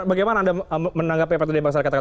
bagaimana anda menanggapi apa yang tadi bang sadiq katakan